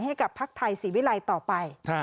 ให้กับภักดิ์ไทยศิวิไลต่อไป